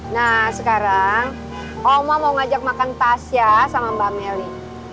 nah sekarang oma mau ngajak makan tasya sama mbak meli